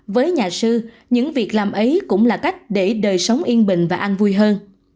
với nhà sư những việc làm ấy cũng là cách để đời sống yên bình và an vui hơn